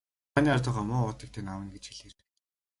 Барааны ард байгаа муу уутыг тань авна гэж хэлээрэй.